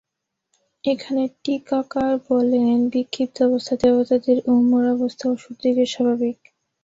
এখানে টীকাকার বলেন, বিক্ষিপ্ত অবস্থা দেবতাদের ও মূঢ়াবস্থা অসুরদিগের স্বাভাবিক।